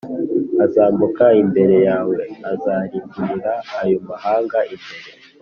azambuka imbere yawe Azarimburira ayo mahanga imbere